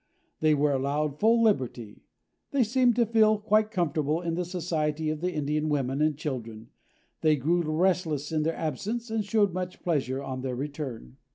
They were allowed full liberty. "They seemed to feel quite comfortable in the society of the Indian women and children; they grew restless in their absence and showed much pleasure on their return."